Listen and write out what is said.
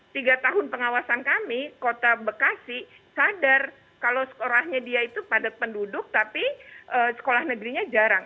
tiga tahun pengawasan kami kota bekasi sadar kalau sekolahnya dia itu padat penduduk tapi sekolah negerinya jarang